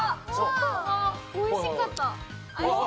おいしかった。